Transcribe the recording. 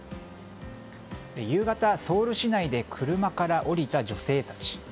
夕方、ソウル市内で車から降りた女性たち。